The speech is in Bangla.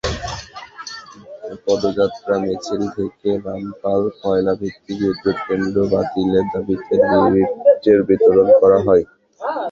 পদযাত্রা মিছিল থেকে রামপাল কয়লাভিত্তিক বিদ্যুৎকেন্দ্র বাতিলের দাবিতে লিফলেট বিতরণ করা হয়।